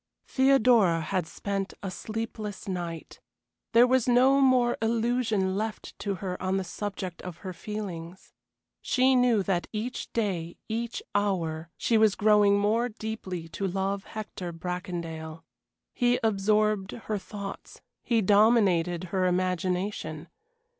Theodora had spent a sleepless night. There was no more illusion left to her on the subject of her feelings. She knew that each day, each hour, she was growing more deeply to love Hector Bracondale. He absorbed her thoughts, he dominated her imagination.